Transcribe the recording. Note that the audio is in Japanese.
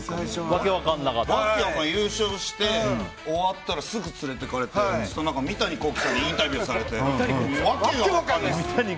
訳分からない、優勝して終わったらすぐ連れていかれてそしたら三谷幸喜さんにインタビューされて訳分かんないです。